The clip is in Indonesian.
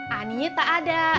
aninya tak ada